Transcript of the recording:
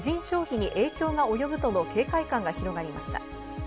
消費に影響が及ぶとの警戒感が広がりました。